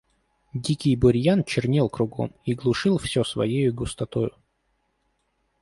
Дикий бурьян чернел кругом и глушил всё своею густотою.